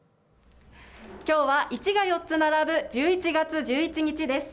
きょうは１が４つ並ぶ１１月１１日です。